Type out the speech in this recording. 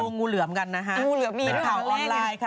งูเหลือมมีข่าวออนไลน์ค่ะ